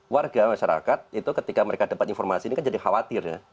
warga masyarakat itu ketika mereka dapat informasi ini kan jadi khawatir ya